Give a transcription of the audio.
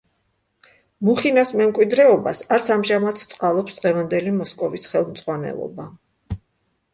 მუხინას მემკვიდრეობას არც ამჟამად სწყალობს დღევანდელი მოსკოვის ხელმძღვანელობა.